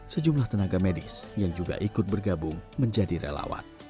sejumlah tenaga medis yang juga ikut bergabung menjadi relawan